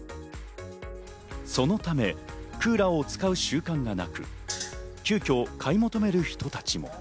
そのためクーラーを使う習慣がなく、急きょ買い求める人たちも。